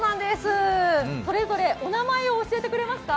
それぞれお名前教えてくれますか？